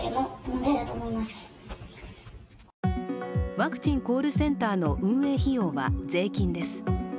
ワクチンコールセンターの運営費用は税金です。